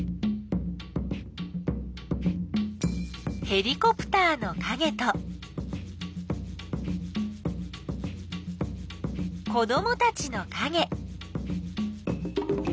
ヘリコプターのかげと子どもたちのかげ。